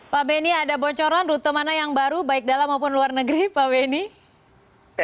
pak beni ada bocoran rute mana yang baru baik dalam maupun luar negeri pak benny